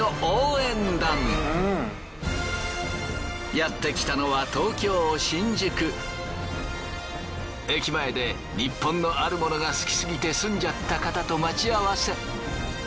やってきたのは駅前でニッポンのあるものが好きすぎて住んじゃった方と待ち合わせ。